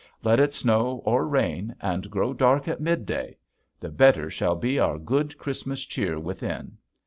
Let it snow or rain and grow dark at midday! The better shall be our good Christmas cheer within.